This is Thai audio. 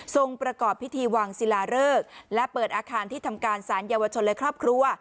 ประกอบพิธีวางศิลาเริกและเปิดอาคารที่ทำการสารเยาวชนและครอบครัว